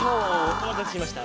おまたせしました！